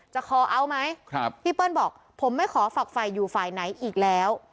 จะคอเอาไหมครับพี่เปิ้ลบอกผมไม่ขอฝากไฟอยู่ฝั่งไหนอีกแล้ว